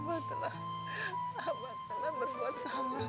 amatlah amatlah berbuat sama hamba mu ya allah